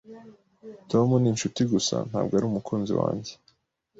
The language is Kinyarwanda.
Tom ni inshuti gusa, ntabwo ari umukunzi wanjye.